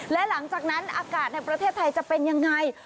และหลังจากนั้นอากาศในประเทศไทยจะเป็นยังไง